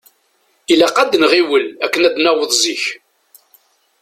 Ilaq ad nɣiwel akken ad naweḍ zik.